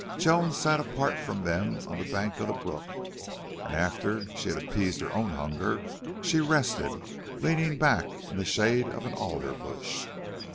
Joan sat apart from them on the bank of the brook, and after she had appeased her own hunger she rested, leaning back in the shade of an alderbush.